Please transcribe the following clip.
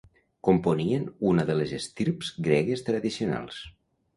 Componien una de les estirps gregues tradicionals.